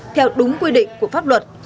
theo đúng quy định của pháp luật